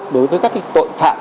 đối với các tội phạm